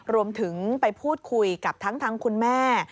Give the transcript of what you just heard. รวมถึงไปพูดคุยกับทั้งคุณแม่